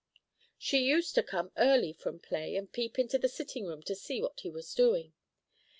She used to come early from play, and peep into the sitting room to see what he was doing.